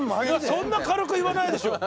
そんな軽く言わないでしょう。